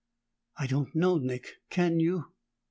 "I don't know, Nick. Can you?"